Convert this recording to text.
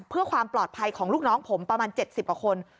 เพื่อความปลอดภัยของลูกน้องผมประมาณ๗๐กว่าคน